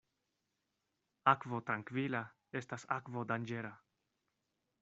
Akvo trankvila estas akvo danĝera.